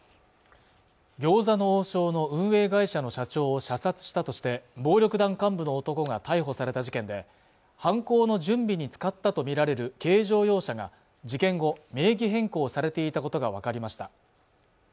餃子の王将の運営会社の社長を射殺したとして暴力団幹部の男が逮捕された事件で犯行の準備に使ったとみられる軽乗用車が事件後名義変更されていたことが分かりました